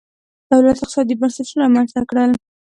دولت اقتصادي بنسټونه رامنځته کړل.